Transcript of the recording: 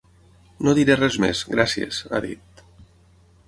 No diré res més, gràcies, ha dit.